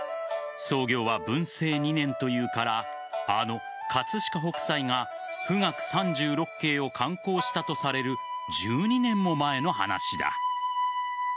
創業は文政２年と言うからあの葛飾北斎が「富嶽三十六景」を刊行したとされる１２年も前の話だ。